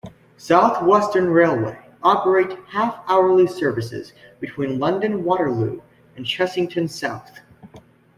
South Western Railway operate half-hourly services between London Waterloo and Chessington South.